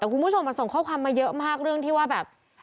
แต่คุณผู้ชมส่งข้อความมาเยอะมากเรื่องที่ว่าแบบ